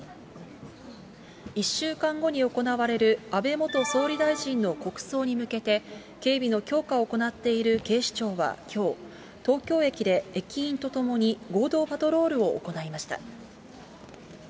１週間後に行われる安倍元総理大臣の国葬に向けて、警備の強化を行っている警視庁はきょう、東京駅で駅員と共に合同パトロールを行いました。